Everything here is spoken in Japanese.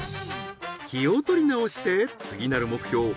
気を取り直して次なる目標